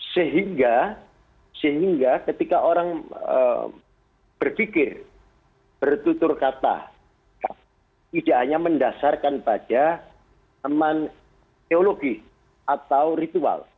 sehingga sehingga ketika orang berpikir bertutur kata tidak hanya mendasarkan pada teman teologi atau ritual